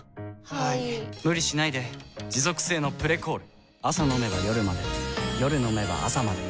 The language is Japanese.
はい・・・無理しないで持続性の「プレコール」朝飲めば夜まで夜飲めば朝まで